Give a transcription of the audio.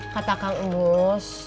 kata kang ibus